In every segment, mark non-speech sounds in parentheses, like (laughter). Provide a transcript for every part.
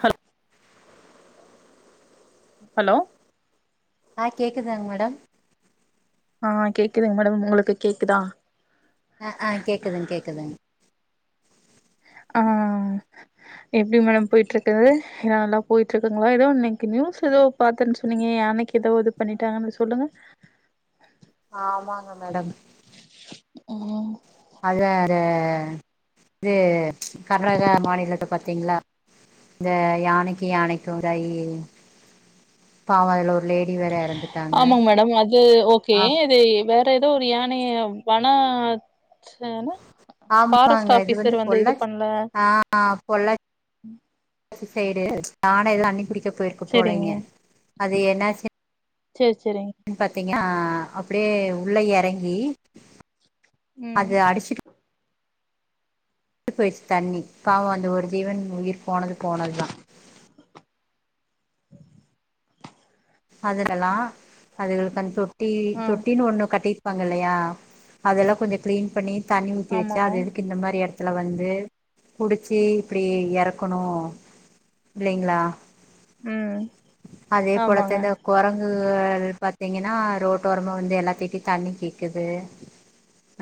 Hello hello ஆ கேக்குதாங்க madam ஆஹ் கேக்குதுங்க மேடம் உங்களுக்கு கேக்குதா அ அ கேக்குதுங்க கேக்குதுங்க ஆஹ் ஆஹ் ஆஹ் ஆஹ் எப்டி மேடம் போயிட்டு இருக்குது ஏ நல்லா போயிட்டு இருக்குங்களா ஏதோ இன்னைக்கு நியூஸ் ஏதோ பார்த்தேன்னு சொன்னீங்க யானைக்கு ஏதோ இது பண்ணிட்டாங்கன்னு சொல்லுங்க ஆமாங்க மேடம் ம் ம் அது வேற அது கர்நாடகா மாநிலத்த பாத்தீங்களா இந்த யானைக்கு யானைக்கு இந்த ஐ பாவ ஒரு லேடி வேற எறந்துட்டாங்க ஆமாங்க மேடம் அது ஓகே அப் இது வேற த்த எதோ ஒரு யானைய வன சேனா ஆமாங்க ஃபாரஸ்ட் இது வந்து ஆஃபீசர் இது பொள்ளாச்சி பண்ல ஆ ஆ பொள்ளாச் ச்சி சைடு யானை தண்ணி குடிக்க போயிருக்கு செரிங்க போலேங்க அது என்னாச்சு சேரி சேரிங்க யா அப்டியே உள்ள எறங்கி ம் அது அடிச்சுட்டு ட்டு போயிருச்சு தண்ணி பாவோ அந்த ஒரு ஜீவன் உயிர் போனது போனதுதா அதுல எல்லா அதுங்க (unintelligible) டீ ஆ தொட்டினு ஒண்ணு கட்டி ப்பாங்க இல்லையா அதெல்லாம் கொஞ்சோ க்ளீன் பண்ணி தண்ணி ஊத்தி ஆமா வச்சா அது எதுக்கு இந்த மாறி எ டத்துல வந்து குடிச்சு இப்டி எறக்கணு இல்லைங்ளா உம் -ஆ பொளசண்ட கொரங்கு அதப்பாத் பாத்தீங்கனா ரோட்டோரமா வந்து எல்லாத்திட்டியு தண்ணி கேக்குது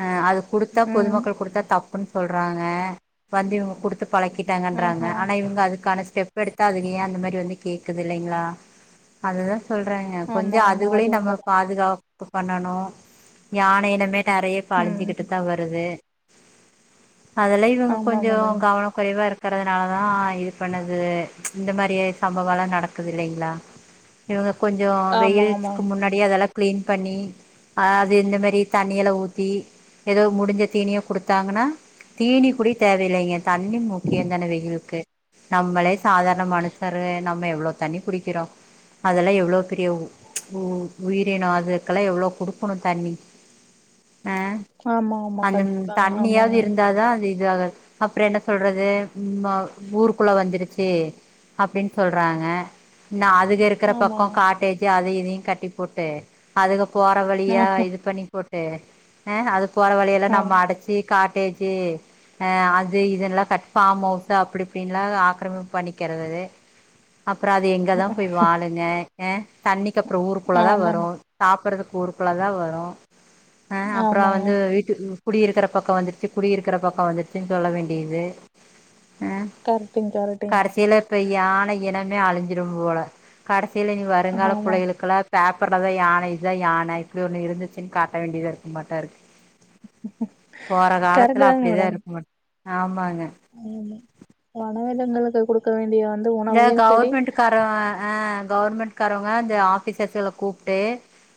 அ -அது குடுத்தா ம் பொதுமக்கள் குடுத்தா தப்புன் சொல்றாங்க வந்து இவுங்க குடுத் பழக்கிட்டாங்கன்றாங்க ஆஹா ஆனா இவங்க அதுக்கான ஸ்டெப்பெடுத்தா அதுங்க அந்த மாறி வந்து கேக்குது இல்லைங்களா அதத சொல்றாங்க கொஞ்சோ ஆமா ஆமா அது அதுகுல்லயு நம்ம உண்மதா பாதுகாப் து பண்ணனு யானை இனமே தரையே இப்ப ம் அழிஞ்சிக்கிட்டு தா வருது. அதெல்லா இவூங்க ஆமா கொஞ்சோ மேடம் கவன குறைவா இருக் கறதுனாலதா இது பண்ணுது ம்சு -இந்த மாறியே சம்பவொலா நடக்குது இல்லைங்களா இவங்க கொஞ்சோ ஆமா ஆமா வெயில்ஸ்க்கு முன்னாடியே அதெல்லா க்ளீன் பண்ணி அது இந்த மெறி தண்ணியல ஊத்தி எதோ முடிஞ்ச தீனியா குடுத்தாங்கனா தீனி குடி தேவயில்லைங்க தண்ணி முக்கியொ தானே வெயில்க்கு நம்மளே சாதாரண மனுஷரு நம்ம எவ்ளோ தண்ணி குடிக்கிறோ அதெல்லா எவ்ளோ பெரிய ம்சு உ -உயிரினோ அதுக்கெல்லா எவ்ளோ குடுக்கணு தண்ணி. அஹ் ஆமா ஆமா -அந்த ம் கண்டிப்பா -தண்ணியாவது ஆமாங்க இருந்தாதா அது முன்ஜார் அப்றென்ன சொல்றது ஊருக்குள்ள வந்துருச்சி அப்டின்னு சொல்றாங்க நா அதுக் நிக்குற பக்கோ ஆமாங்க காட்டேஜு அது இதயு கட்டி போட்டு அதுக்கப் போற வழியா இது பண்ணி போட் டே நேஹா அது போற வழியல்லா ஆ நம்ம அடச்சி காட்டேஜு ஆஹ் அது இதுனுல்லா கட் ஃபாம் அவுஸ் அப்டி இப்டின்லா ஆக்கிரமிப்பு பண்ணிக்குறது. அப்றோ அது எங்கதா போய் வாழ க் -ஏ -தண்ணி அப்றோ ஊருக்குள்ள தா வரு ஆமாங்க சாப்புறதக் ஊருக்குள்ள தா வரு அஹ் அப்றோ ஆமாங்க வந்து வீட்டுக் குடியிருக்கறப் பக்கோ வந்துருச்சி குடியிருக்குற பக்கோ வந்துருச்சினு சொல்ல வேண்டிது அஹ் கரெக்ட்டுங்க கரெக்ட்டுங்க கடசிலா இப்ப யான இனமே அழிஞ் இரும்புவல கடசி இல்லங் வருங்கால ஆமா புள்ளைகளுக்கலா பேப்பர்லதா யானை இதுதா யானை இப்படி ஒண்ணு இருந்துச்சுன்னு காட்ட வேண்டியதா இருக்க மாட்டோ இருக்கு போற கரெக்ட்டு காலத்துல தாங்க அப்டிதா மேடம் இருக்கும் மாட்டும் ஆமாங் ஆமா வனவிலங்குகலுக் (unintelligible) குடுக்க வேண்டிய வந்து இந்த உணவையும் சரி கவுர்மெண்ட்டு கார அ ஆ கவுவர்மெண்ட்காரவங்க இந்த ஆபீசர்ஸ்கள கூப்ட்டு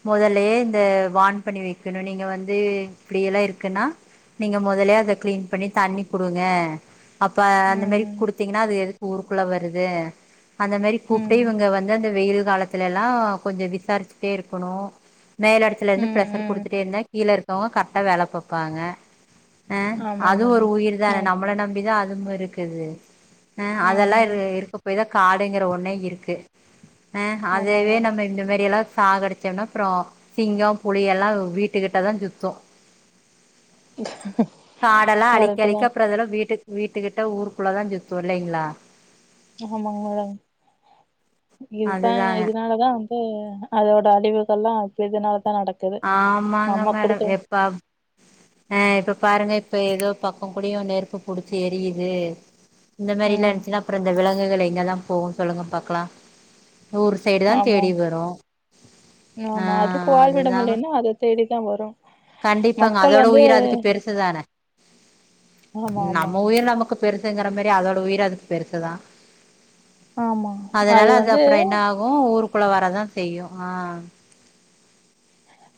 மொதலே இந்த வான் பண்ணி வெக்கணு நீங்க வந்து இப்படியெல்லா இருக்குன்னா நீங்க மொதல அத கிளீன் பண்ணி தண்ணி குடுங்க அப்ப அந்த மேரி ம் குடுத்தீங்கன்னா அது ஊரூக்குள்ள வர் (unintelligible) அந்த மேரி கூப்ட்டு ம் இவங்க வந்து அந்த வெயில் காலத்துல ல்லா கொஞ்சோ விசாரிச்சுட்டே இருக்கணு மேல் எடத்துல இருந்து ம் ப்ரெஸர் ம் குடுத்துட்டே இருந்தா கீ (unintelligible) கர்ட்டா வேல பாப்பாங்க ஆ ஆமாங்க அதுவு ஒரு மேடம் உயிர் தான ஆமா நம்மள நம்பிதா (unintelligible) (unintelligible) ஆ அதெல்லா இ ம் இரு எதோ காடுங்கற ஒன்னே இருக்கு ஆ ஆமாங்க அதுவே மேடம் நம்ம இந்த மாரியெல்லா சாகடிச்சோம்னா அப்றோ சிங்கோ புளியெல்லா வீட்டுக்கிட்டதா சுத்து காடல்லா அழிக் கரெக்ட்டு அழிக்க தாங்க அப்றோ அதெல வீட்டுக் வீட்டுக்கிட்ட ஊருக்குள்ளதா ஜுத்து இல்லைங்களா ஆமாங்க மேடம் இதுதா அதுதாங்க இதனாலதா து அதோட அழிவுகள்லா அப்டியேதா ஆமாங்க மேடம் எப்பாப் ஆ இப்ப பாருங்க இப்ப ஏதோ பக்கோ கூடியு நெருப்பு புடிச்சு எரியுது இந்த மாரில்லா ம் இருந்ச்சினா அப்றோ இந்த விலங்குகளை எங்கதா போவு சொல்லுங்க பாக்கலா ஊர் சைடுதா ஆமா தேடி வரு ஆ அதுதாங்க விடமுலையன (unintelligible) தேடிதா வரோ கண்டிப்பாங்க அதோட உயிர் அதுக்கு பெருசுதான ஆமா ஆமா நம்ம உயிர் நமக்கு பெருசுங்கிற மேரி அதோட உயிரு அதுக் பெருசுதா ஆமா அது வந்து குள்ள வரதா செய்யு ஆ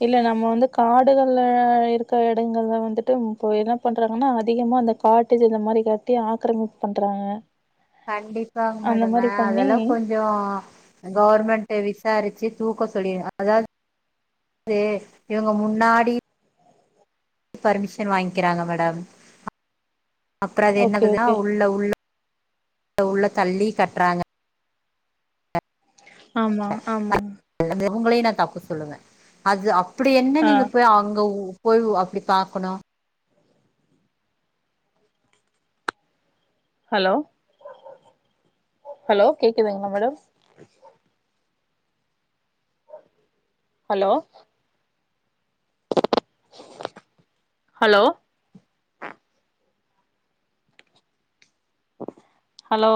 இல்ல நம்ம வந்து காடுகள்ல இருக்க எடங்கள்ல வந்துட்டு இப்போ என்ன பண்றாங்கன்னா அதிகமா அந்த காட்டு ஜினம் மாரி காட்டி ஆக்ரமிப் பண்றாங்க கண்டிப்பாங் அந்த மேடம் ஆ மாரி பண்ணி அதெல்லா கொஞ்சோ கவர்மெண்ட் விஸ் சாரிச்சு தூக்க சொல்லி அதா (unintelligible) இவங்க முன்னாடி பர்மிஷன் வாங்கிக்றாங்க மேடம் அக்ற அது ஓகே என்னதது ஓகே அஹ் உள்ள உள்ள அத உள்ள தள்ளி கட்றாங்க ஆமா ஆமா அவங்களே நா தப்பு சொல்லுவே அது அப் ப்டி என்ன ஆ நீங்க போய் அங்க ஊ போய்வு அப்டி பாக்கணு ஹலோ ஹலோ கேக்குதுங்களா madam hello hello hello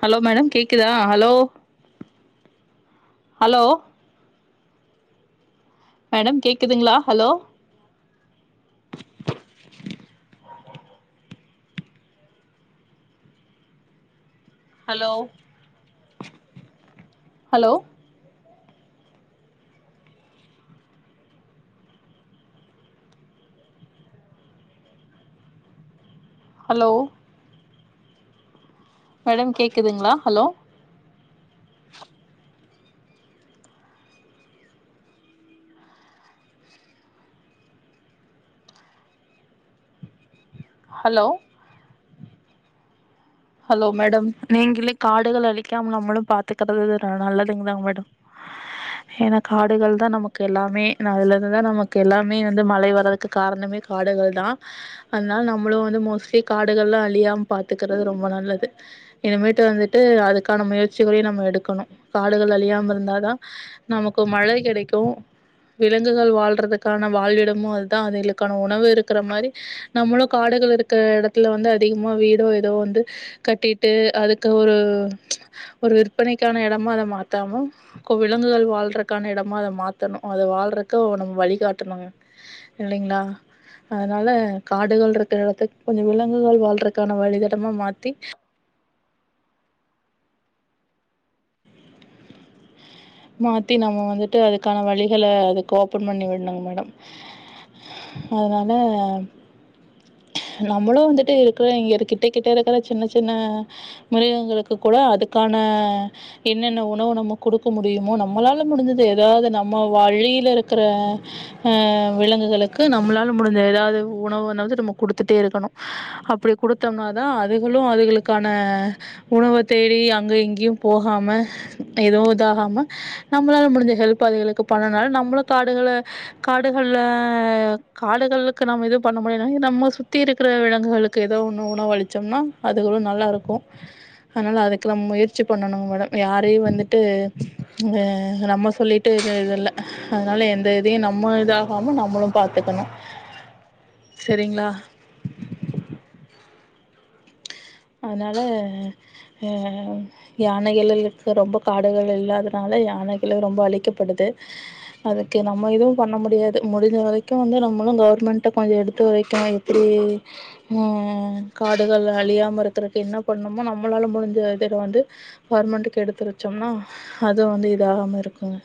hello madam கேக்குதா ஹலோ ஹலோ மேடம் கேக்குதுங்ளா hello hello hello hello madam கேக்குதுங்ளா ஹலோ ஹலோ ஹலோ மேடம் நீங்ளே காடுகள அழிக்காம நம்மளு பாத்துக்றது நல்லதுங் தா மேடம் ஏனா காடுகள் தா நமக்கு எல்லாமே நல்லது தா நமக்கு எல்லாமே வந்து மழை வர்றதுக்கு காரணமே காடுகள் தா அதனால் நம்மளு வந்து மோஸ்ட்லி காடுகள்லா அழியாம பாத்துக்கறது ரொம் ம்ப நல்லது இனிமேட்டு வந்துட்டு அதுக்கான முயற்சிகளையு நம்ம எடுக்கணு காடுகள் அழியாம இருந்த தா நமக்கு மழை கிடைக்கு விலங்குகள் வாழ்றதுக்கான வாழ் எடமு அதா அதுகளுக்கான உணவு இருக்குற மாரி நம்மளு காடுகள் இருக்க எடத்துல வந்து அதிகமா வீடோ ஏதோ வந்து கட்டிட்டு அதுக்கு ஒரு ஒரு விற்பனைக்கான எடமா அத மாத்தாம கோ விலங்குகள் வாழ்றக்கான எடமா அத மாத்தணு அத வாழ்றக்கு நம் வழிகாட்டணுங்க இல்லைங்ளா அதனால காடுகள் ருக்குற எடத்து கொஞ்சோ விலங்குகள் வாழ்றக்கான வழித்தடமா மா தி மாத்தி நம்ம வந்துட்டு அதுக்கான வலிகள அதுக்கு ஓபன் பண்ணி விட்ணுங்க மேடம் அதனால நம்மளு வந்துட்டு இருக்குற இங்க கிட்ட கிட்ட ருக்குற சின்ன சின்ன மிருகங்களுக்கு கூட அதுக்கான என்னென்ன உணவு நம்ம குடுக் க முடியுமோ நம்மளால முடிஞ்சது எதாவது நம்ம வழியில இருக்ற அஹ் விலங்குகளுக்கு நம்மளால முடிஞ்ச ஏதாது உணவு நம்ம குடுத்துட்டே இருக்கணு அப்டி குடுத்தோம்னாதா அதுகளு அதுகளுக்கான உணவ தேடி அங்க இங்கேயு போகாம ஏதோ இதாகாம நம்மளால முடிஞ்ச ஹெல்ப் அதுகளுக்கு பண்ணனால நம்ளு காடுகள காடுகள்ல காடுகளுக்கு நம்ம எது பண்ண முடியலன நம்ம சுத்தி இருக்ற விலங்குகளுக்கு ஏதோ ஒண்ணு உணவு அளிச்சோம்னா அதுகளு நல்லா இருக்கு அனால அதுக்லா நம்ம முயற்சி பண்ணணுங் மேடம் யாரயு வந்துட்டு ங்க நம்ம சொல்லிட்டு இது எது இல்ல அதுனால எந்த இதையு நம்ம இதாகாம நம்ளு பாத்துக்கணு செரிங்ளா அதுனால அ யானைகளுளுக்கு ரொம்ப காடுகள் இல்லாதுனால யானைகளு ரொம்ப அழிக்கப்படுது அதுக்கு நம்ம எதுவு பண்ண முடியாது முடிஞ்ச வரைக்கு வந்து நம்மளு கவுர்மெண்ட்ட கொஞ்சோ எடுத்து உரைக்கணு எப்டி அ காடுகள் அளியாம இருக் த்தறக்கு என்ன பண்ணுமோ நம்மளால முடிஞ்ச இதுட வந்து கவுர்மெண்ட்டுக்கு எடுத்துரச்சோம்னா அதுவு வந்து இதாகாம இருக்குங்க